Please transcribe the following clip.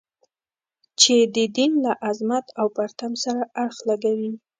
چې د دین له عظمت او پرتم سره اړخ لګوي.